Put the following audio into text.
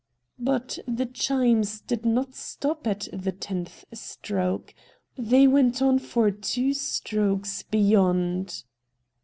But the chimes did not stop at the tenth stroke ; they went on for two strokes beyond.